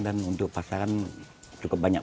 dan untuk pasaran cukup banyak